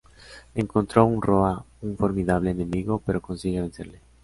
Encontró en Roa un formidable enemigo, pero consigue vencerle.